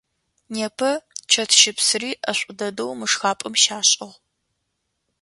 Непэ чэтщыпсыри ӏэшӏу дэдэу мы шхапӏэм щашӏыгъ.